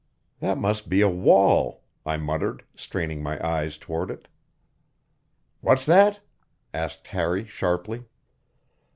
"That must be a wall," I muttered, straining my eyes toward it. "What's that?" asked Harry sharply.